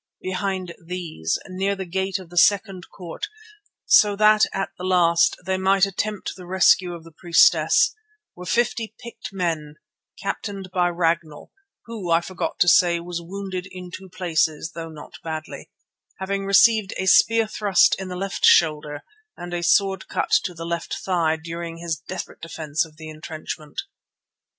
Behind these, near the gate of the second court so that at the last they might attempt the rescue of the priestess, were fifty picked men, captained by Ragnall, who, I forgot to say, was wounded in two places, though not badly, having received a spear thrust in the left shoulder and a sword cut to the left thigh during his desperate defence of the entrenchment.